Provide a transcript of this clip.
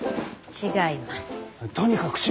違います！